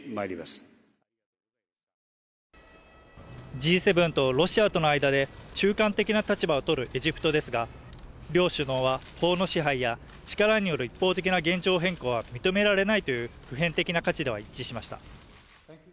Ｇ７とロシアとの間で、中間的な立場をとるエジプトですが、両首脳は、法の支配や力による一方的な現状変更は認められないという普遍的な価値では一致しました。